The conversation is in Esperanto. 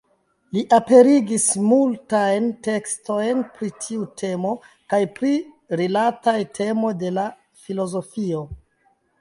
Li aperigis multajn tekstojn pri tiu temo kaj pri rilataj temoj de la filozofio.